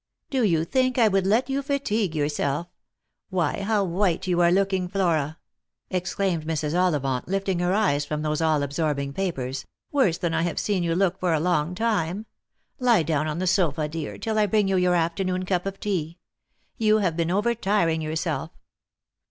" Do you think I would let you fatigue yourself ? Why, how white you are looking, Flora !" exclaimed Mrs. Ollivant, lifting her eyes from those all absorbing papers ;" worse than I have seen you look for a long time. Lie down on the sofa, dear, till I bring you your afternoon cup of tea. You have been over tiring yourself."